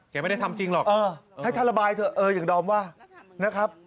ไม่ได้ทำจริงหรอกให้ท่านระบายเถอะเอออย่างดอมว่านะครับ